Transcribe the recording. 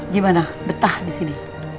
gimana betah disini